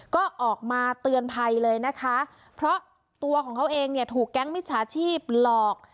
ก็ออกมาเตือนภัยเลยนะคะเพราะตัวของเขาเองเนี่ยถูกแก๊งมิจฉาชีพหลอก